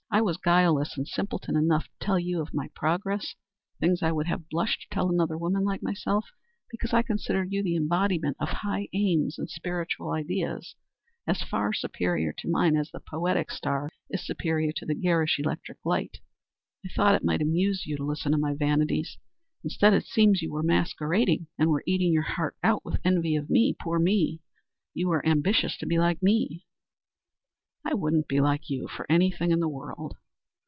I was guileless and simpleton enough to tell you of my progress things I would have blushed to tell another woman like myself because I considered you the embodiment of high aims and spiritual ideas, as far superior to mine as the poetic star is superior to the garish electric light. I thought it might amuse you to listen to my vanities. Instead, it seems you were masquerading and were eating your heart out with envy of me poor me. You were ambitious to be like me." "I wouldn't be like you for anything in the world."